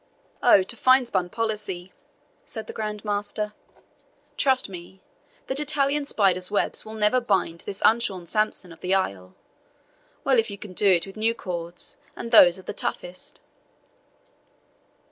"Oh, too finespun policy," said the Grand Master; "trust me, that Italian spiders' webs will never bind this unshorn Samson of the Isle well if you can do it with new cords, and those of the toughest.